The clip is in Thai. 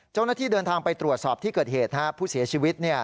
เจ้าหน้าที่เดินทางไปตรวจสอบที่เกิดเหตุผู้เสียชีวิต